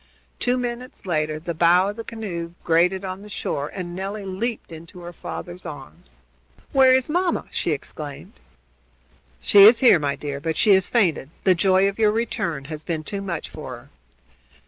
Two minutes later the bow of the canoe grated on the shore, and Nelly leaped into her father's arms. "Where is mamma?" she exclaimed. "She is here, my dear, but she has fainted. The joy of your return has been too much for her."